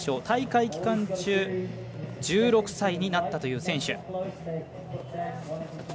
大会期間中１６歳になったという選手。